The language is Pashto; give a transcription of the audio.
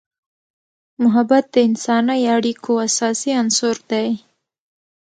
محبت د انسانی اړیکو اساسي عنصر دی.